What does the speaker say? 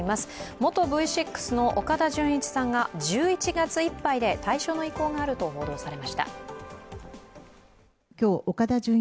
元Ｖ６の岡田准一さんが１１月いっぱいで退所の意向があると報道されました。